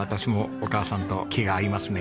お母さんと気が合いますね。